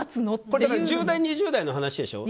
これ１０代、２０代の話でしょ。